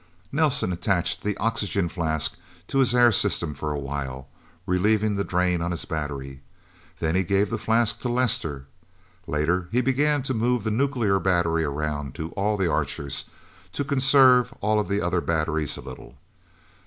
Nelsen attached the oxygen flask to his air system for a while, relieving the drain on his battery. Then he gave the flask to Lester. Later he began to move the nuclear battery around to all the Archers, to conserve all of the other batteries a little.